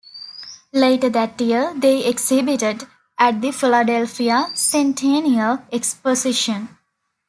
Later that year they exhibited at the Philadelphia Centennial Exposition.